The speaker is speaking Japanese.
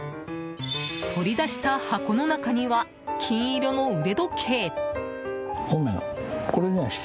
取り出した箱の中には金色の腕時計。